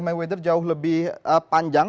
mayweather jauh lebih panjang